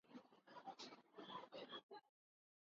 Their name stands for "transparent lilies" in Greek.